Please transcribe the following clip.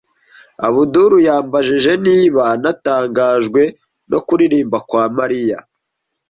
Abudul yambajije niba natangajwe no kuririmba kwa Mariya.